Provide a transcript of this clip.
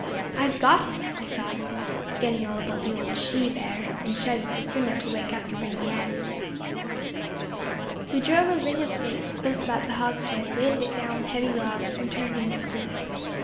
"I've got him!" I thought, forgetting all about the old she bear, and shouted for Simmo to wake up and bring the ax. We drove a ring of stakes close about the hogshead, weighted it down with heavy logs, and turned in to sleep.